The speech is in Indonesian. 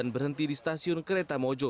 dan berhenti di stasiun kereta mojo